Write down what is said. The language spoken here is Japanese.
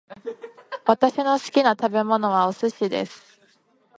私の好きな食べ物はお寿司です